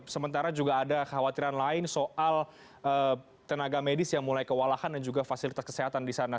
sementara juga ada khawatiran lain soal tenaga medis yang mulai kewalahan dan juga fasilitas kesehatan di sana